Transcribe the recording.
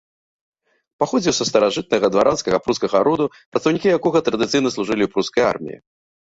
Паходзіў са старажытнага дваранскага прускага роду, прадстаўнікі якога традыцыйна служылі ў прускай арміі.